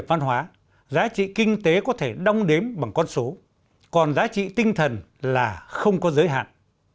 văn hóa giá trị kinh tế có thể đong đếm bằng con số còn giá trị tinh thần là không có giới hạn